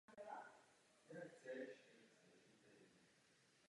V tomto článku jsou použity informace z německé a anglické Wikipedie.